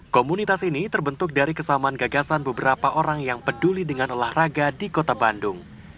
komunitas ini terbentuk dari kesamaan gagasan beberapa orang yang peduli dengan olahraga di kota bandung